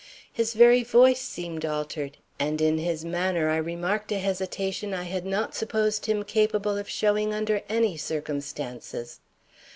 His very voice seemed altered, and in his manner I remarked a hesitation I had not supposed him capable of showing under any circumstances.